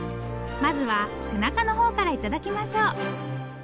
まずは背中のほうから頂きましょう。